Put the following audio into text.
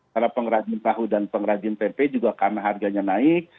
karena pengrajin tahu dan pengrajin tempe juga karena harganya naik